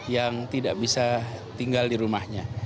yang tidak bisa tinggal di rumahnya